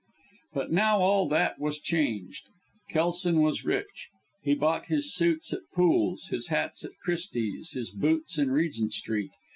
But now, all that was changed. Kelson was rich. He bought his suits at Poole's, his hats at Christie's, his boots in Regent Street.